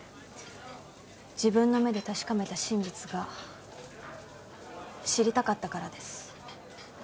自分の目で確かめた真実が知りたかったからです。